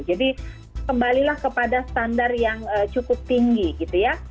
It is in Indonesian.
jadi kembalilah kepada standar yang cukup tinggi gitu ya